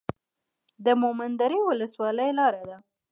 د مومند درې ولسوالۍ لاره ده